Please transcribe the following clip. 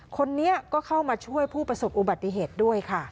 คนนี้ก็เข้ามาช่วยผู้ประสบอุบัติเหตุด้วยค่ะ